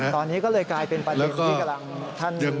ตอนนี้ก็เลยกลายเป็นประเด็นที่กำลังท่าน